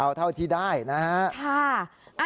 เอาเท่าที่ได้นะฮะ